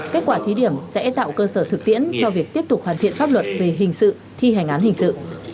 kết quả thí điểm sẽ tạo cơ sở thực tiễn cho việc tiếp tục hoàn thiện pháp luật về hình sự thi hành án hình sự